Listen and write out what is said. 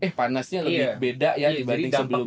eh panasnya lebih beda ya dibanding sebelumnya